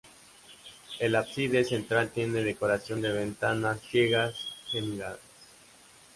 El ábside central tiene decoración de ventanas ciegas geminadas.